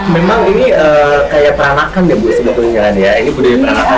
memang ini kayak peranakan ya bu sebetulnya kan ya ini budaya peranakan